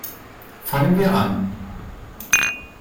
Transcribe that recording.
Fangen wir an.